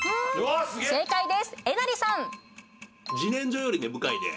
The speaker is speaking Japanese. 正解です！